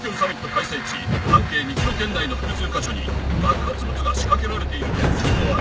開催地半径２ｋｍ圏内の複数箇所に爆発物が仕掛けられているとの情報あり。